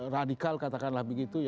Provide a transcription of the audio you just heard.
radikal katakanlah begitu